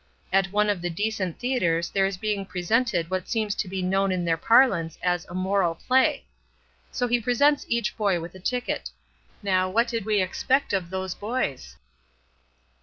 At one of the decent theatres there is being presented what seems to be known in their parlance as a 'moral play!' So he presents each boy with a ticket. Now, what did we expect of those boys?